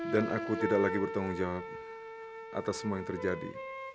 dan aku tidak lagi bertanggung jawab atas semua yang terjadi